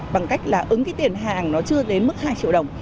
bằng cách ứng tiền hàng chưa đến mức hai triệu đồng